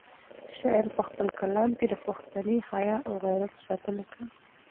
شاعر په خپل کلام کې د پښتني حیا او غیرت ساتنه کوي.